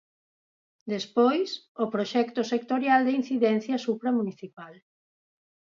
Despois, o proxecto sectorial de incidencia supramunicipal.